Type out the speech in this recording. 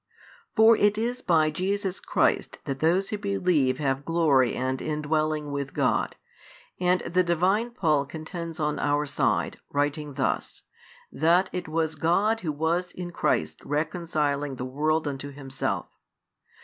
For it is by Jesus Christ that those who believe have glory and indwelling with God, and the Divine Paul contends on our side, writing thus, that it was God Who was in Christ reconciling the world unto Himself.